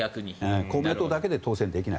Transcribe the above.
公明党だけで当選できない。